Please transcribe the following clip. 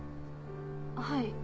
はい。